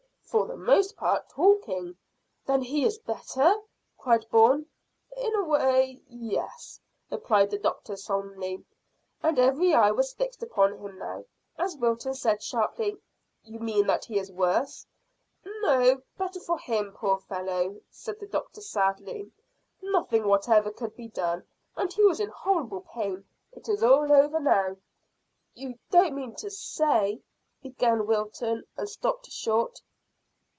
"For the most part talking." "Then he is better?" cried Bourne. "In a way yes," replied the doctor solemnly, and every eye was fixed upon him now, as Wilton said sharply "You mean that he is worse?" "No: better for him, poor fellow," said the doctor sadly. "Nothing whatever could be done, and he was in horrible pain. It is all over now." "You don't mean to say " began Wilton, and stopped short.